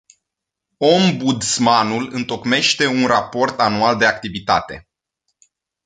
Ombudsmanul întocmește un raport anual de activitate.